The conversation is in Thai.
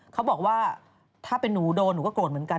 เขาบอกว่าถ้าเป็นหนูโดนหนูก็โกรธเหมือนกัน